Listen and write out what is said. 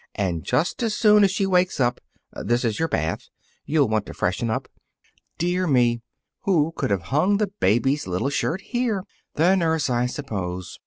And just as soon as she wakes up this is your bath you'll want to freshen up. Dear me; who could have hung the baby's little shirt here? The nurse, I suppose.